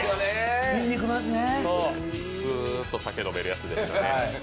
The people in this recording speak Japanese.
ずーっと酒、飲めるやつですよね。